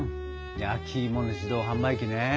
焼きいもの自動販売機ね。